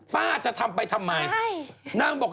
ป้าจะทำไปทำไมนางบอก